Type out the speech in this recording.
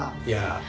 いや。